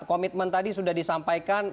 komitmen tadi sudah disampaikan